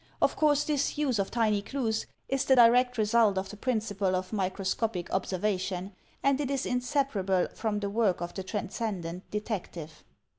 Of course this use of tiny clues is the direct result of the principle of microscopic observation, and it is inseparable from the work of the Transcendent Detective.